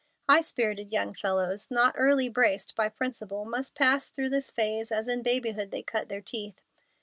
High spirited young fellows, not early braced by principle, must pass through this phase as in babyhood they cut their teeth.